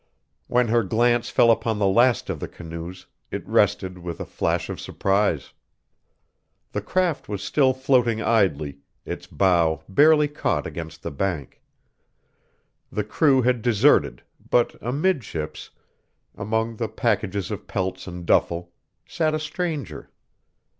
When her glance fell upon the last of the canoes, it rested with a flash of surprise. The craft was still floating idly, its bow barely caught against the bank. The crew had deserted, but amidships, among the packages of pelts and duffel, sat a stranger.